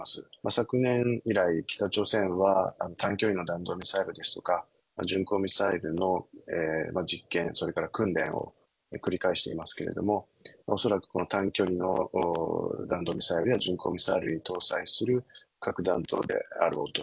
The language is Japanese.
昨年以来、北朝鮮は短距離の弾道ミサイルですとか、巡航ミサイルの実験、それから訓練を繰り返していますけれども、恐らくこの短距離の弾道ミサイルや巡航ミサイルに搭載する核弾頭であろうと。